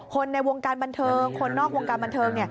ในวงการบันเทิงคนนอกวงการบันเทิง